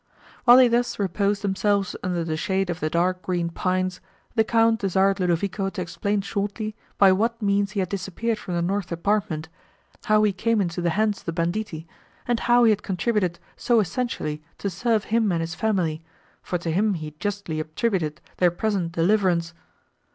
While they thus reposed themselves under the shade of the dark green pines, the Count desired Ludovico to explain shortly, by what means he had disappeared from the north apartment, how he came into the hands of the banditti, and how he had contributed so essentially to serve him and his family, for to him he justly attributed their present deliverance.